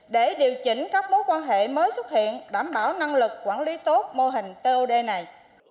để điều chỉnh các mối quan hệ mới xuất hiện đảm bảo năng lực quản lý tốt mô hình tod này